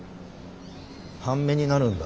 半目になるんだ。